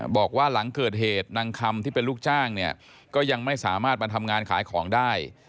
บอกว่าหลังเกิดเหตุนางคำที่เป็นลูกจ้างเนี่ยก็ยังไม่สามารถมาทำงานขายของได้